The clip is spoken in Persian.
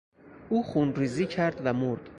او خونریزی کرد و مرد.